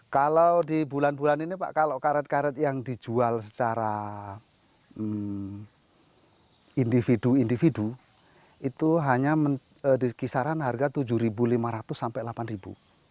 kalau di bulan bulan ini pak kalau karet karet yang dijual secara individu individu itu hanya di kisaran harga rp tujuh lima ratus sampai rp delapan